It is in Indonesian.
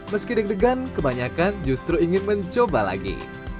meski deg degan kebanyakan justru ingin mencoba lagi